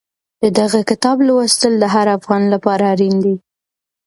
د دغه کتاب لوستل د هر افغان لپاره اړین دي.